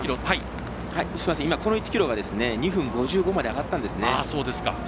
この１ｋｍが２分５５まで上がったんですね。